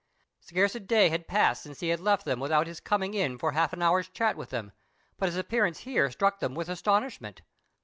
Scarce a day had passed since he had left them without his coming in for half an hour's chat with them, but his appearance here struck them with astonishment.